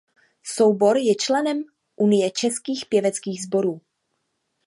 Soubor je členem Unie českých pěveckých sborů.